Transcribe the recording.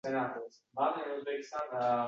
Begonadir unga tongotar